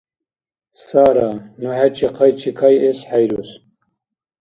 Сара, ну хӀечи хъайчикайэс хӀейрус.